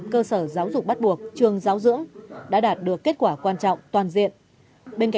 cơ sở giáo dục bắt buộc trường giáo dưỡng đã đạt được kết quả quan trọng toàn diện